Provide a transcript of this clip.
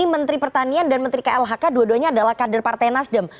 menteri pertanian dan menteri klhk dua duanya adalah kader partai nasdem